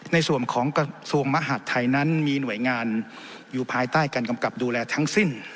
ในส่วนของกระทรวงมหาดไทยนั้นมีหน่วยงานอยู่ภายใต้การกำกับดูแลทั้งสิ้น